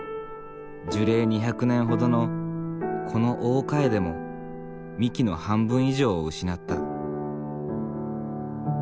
樹齢２００年ほどのこの大カエデも幹の半分以上を失った。